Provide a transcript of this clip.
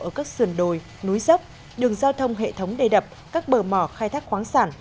ở các sườn đồi núi dốc đường giao thông hệ thống đầy đập các bờ mỏ khai thác khoáng sản